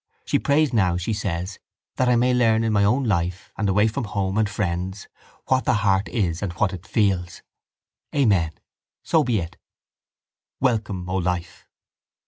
She prays now, she says, that I may learn in my own life and away from home and friends what the heart is and what it feels. Amen. So be it. Welcome, O life!